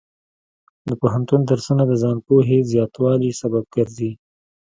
د پوهنتون درسونه د ځان پوهې زیاتوالي سبب ګرځي.